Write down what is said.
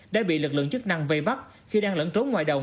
đã bị lực lượng chức năng vây bắt khi đang lẫn trốn ngoài đầu